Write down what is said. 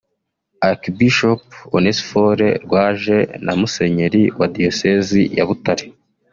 Archbishop Onesphore Rwaje na Musenyeri wa Diyosezi ya Butare